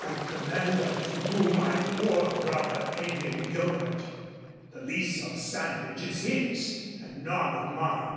I commend unto you my poor brother Adrian Gilbert. The lease of Sandridge is his, and none of mine.